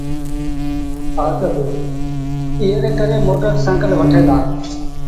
ايئي ري ڪري موٽر سآئيٚڪل وٺيٚن دآ۔